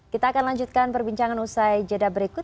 kita akan lanjutkan perbincangan usai jeda berikut